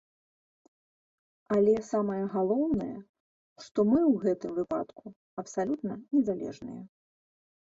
Але самае галоўнае, што мы ў гэтым выпадку абсалютна незалежныя.